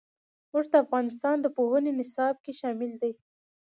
اوښ د افغانستان د پوهنې نصاب کې شامل دي.